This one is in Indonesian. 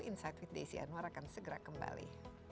insight with desi anwar akan segera kembali